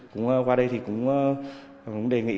qua đây thì cũng đề nghị